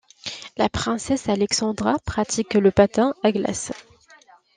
La princesse Alexandra pratique le patin à glace.